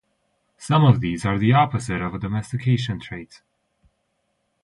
Some of these are the opposite of domestication traits.